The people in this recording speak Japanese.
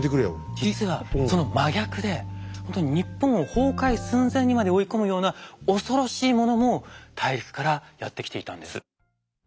実はその真逆で日本を崩壊寸前にまで追い込むような恐ろしいものも大陸からやって来ていたんです。